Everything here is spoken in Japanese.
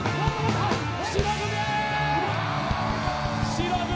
白組！